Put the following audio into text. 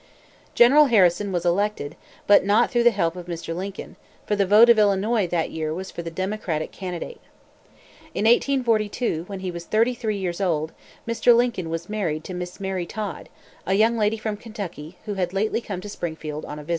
General Harrison was elected, but not through the help of Mr. Lincoln; for the vote of Illinois that year was for the Democratic candidate. In 1842, when he was thirty three years old, Mr. Lincoln was married to Miss Mary Todd, a young lady from Kentucky, who had lately come to Springfield on a visit.